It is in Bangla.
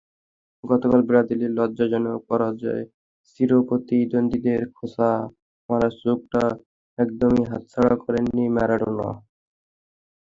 গতকাল ব্রাজিলের লজ্জাজনক পরাজয়ে চিরপ্রতিদ্বন্দ্বীদের খোঁচা মারার সুযোগটা একদমই হাতছাড়া করেননি ম্যারাডোনা।